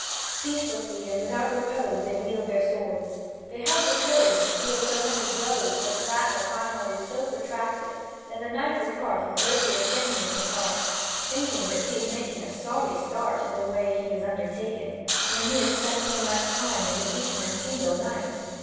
Ceaselessly and without repose they wield their swords; they have the courage to deal so many blows that the battle finally is so protracted that the Knight of the Cart is greatly ashamed in his heart, thinking that he is making a sorry start in the way he has undertaken, when he has spent so much time in defeating a single knight.